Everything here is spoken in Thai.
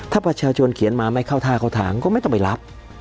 ถ้าประชาชนเขียนมาไม่เข้าท่าเข้าทางก็ไม่ต้องไปรับ